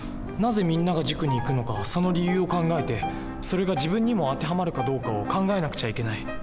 なぜみんなが塾に行くのかその理由を考えてそれが自分にも当てはまるかどうかを考えなくちゃいけない。